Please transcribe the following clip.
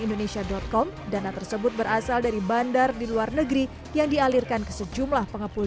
indonesia com dana tersebut berasal dari bandar di luar negeri yang dialirkan ke sejumlah pengepul